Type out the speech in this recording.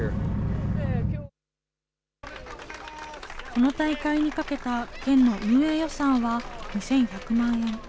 この大会にかけた県の運営予算は２１００万円。